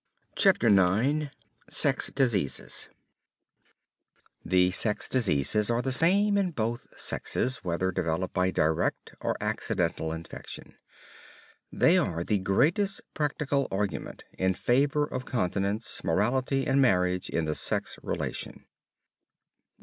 CHAPTER IX SEX DISEASES The sex diseases are the same in both sexes, whether developed by direct or accidental infection. They are the greatest practical argument in favor of continence, morality and marriage in the sex relation.